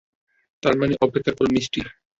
এর মানে, অপেক্ষার ফল মিষ্টি।